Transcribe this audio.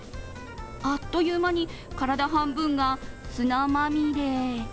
あっという間に体半分が砂まみれ。